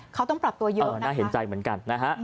เขาต้องปรับตัวเยอะน่าเห็นใจเหมือนกันนะฮะ